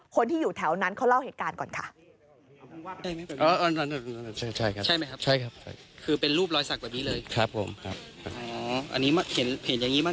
คนที่อยู่แถวนั้นเขาเล่าเหตุการณ์ก่อนค่ะ